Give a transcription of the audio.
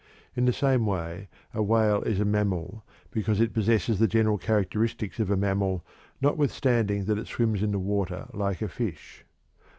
In the same way a whale is a mammal because it possesses the general characteristics of a mammal notwithstanding that it swims in the water like a fish.